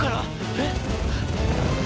えっ？